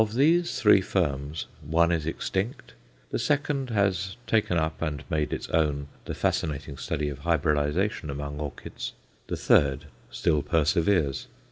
Of these three firms one is extinct; the second has taken up, and made its own, the fascinating study of hybridization among orchids; the third still perseveres.